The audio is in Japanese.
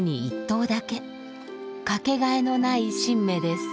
かけがえのない神馬です。